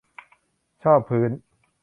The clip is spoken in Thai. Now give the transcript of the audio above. ชอบพื้น